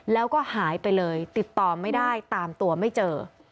แล้วก็หายไปเลยติดต่อไม่ได้ตามตัวไม่เจอ